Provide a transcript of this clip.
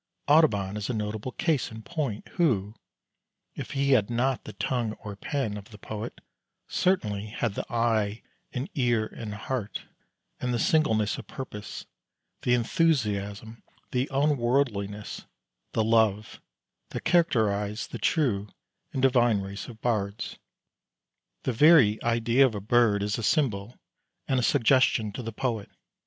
Audubon is a notable case in point, who, if he had not the tongue or pen of the poet, certainly had the eye and ear and heart and the singleness of purpose, the enthusiasm, the unworldliness, the love, that characterize the true and divine race of bards. The very idea of a bird is a symbol and a suggestion to the poet.